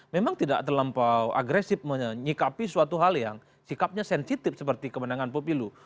memang tidak terlampau agresif menyikapi suatu hal yang sikapnya sensitif seperti kemenangan pemilu